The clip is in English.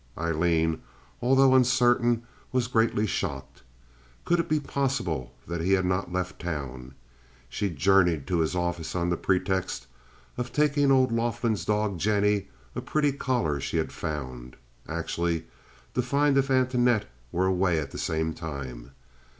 Aileen, although uncertain, was greatly shocked. Could it be possible that he had not left town? She journeyed to his office on the pretext of taking old Laughlin's dog, Jennie, a pretty collar she had found; actually to find if Antoinette were away at the same time.